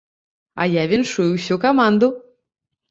А я віншую ўсю каманду.